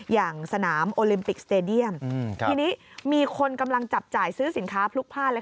อย่างสนามโอลิมปิกสเตดียมทีนี้มีคนกำลังจับจ่ายซื้อสินค้าพลุกพลาด